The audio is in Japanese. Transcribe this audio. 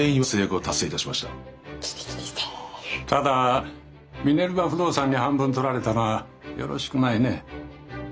ただミネルヴァ不動産に半分取られたのはよろしくないね。